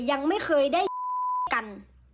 ยังไม่เคยได้กัน